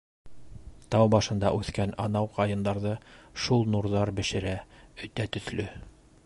Тау башында үҫкән анау ҡайындарҙы шул нурҙар бешерә, өтә төҫлө.